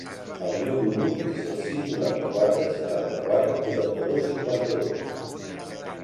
El meu número es el sis, noranta-quatre, setanta-quatre, quaranta-dos, cinquanta-dos.